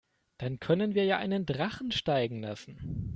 Dann können wir ja einen Drachen steigen lassen.